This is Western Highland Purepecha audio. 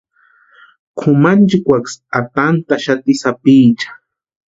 Kʼumanchikwanksï atantaxati sapiecha.